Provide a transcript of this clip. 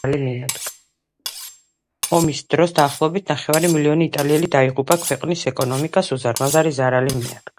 ომის დროს დაახლოებით ნახევარი მილიონი იტალიელი დაიღუპა ქვეყნის ეკონომიკას უზარმაზარი ზარალი მიადგა